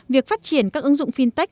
việc phát triển các ứng dụng fintech